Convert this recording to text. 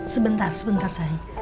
sebentar sebentar sayang